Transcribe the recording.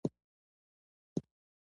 بیا د ونو تر سیوري لاندې راتېر شول.